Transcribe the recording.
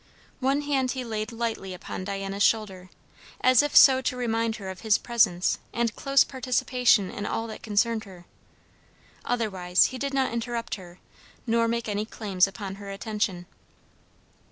One hand he laid lightly upon Diana's shoulder, as if so to remind her of his presence and close participation in all that concerned her; otherwise he did not interrupt her nor make any claim upon her attention.